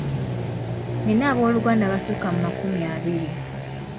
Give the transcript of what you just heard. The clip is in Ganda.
Nnina abooluganda abasukka mu makumi abiri.